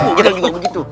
oh gitu juga begitu